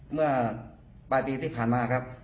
เมื่อปลายปีที่ผ่านมาครับ